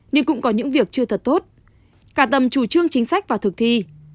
nhưng cũng có những việc chưa thật tốt cả tầm chủ trương chính sách và thực thi